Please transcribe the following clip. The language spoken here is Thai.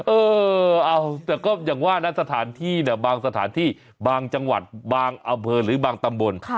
เออเอาแต่ก็อย่างว่านะสถานที่เนี่ยบางสถานที่บางจังหวัดบางอำเภอหรือบางตำบล